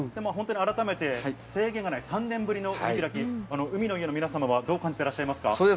改めて制限のない３年ぶりの海開き、海の家の皆さんはどう感じていますか？